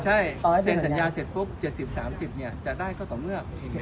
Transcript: ใช่เสียสัญญาเสร็จพวกเจ็ดสิบสามสิบเนี่ยจะได้ก็ต่อเมื่อ